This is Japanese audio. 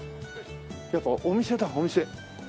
やっぱお店だお店。